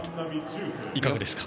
いかがですか？